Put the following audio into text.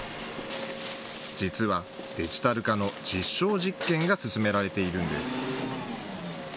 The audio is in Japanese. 実は、デジタル化の実証実験が進められているんです。